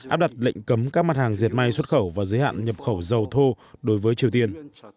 áp đặt lệnh cấm các mặt hàng diệt may xuất khẩu và giới hạn nhập khẩu dầu thô đối với triều tiên